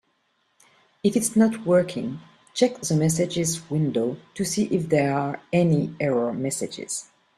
If it's not working, check the messages window to see if there are any error messages.